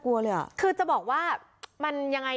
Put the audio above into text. วิทยาลัยศาสตร์อัศวินตรี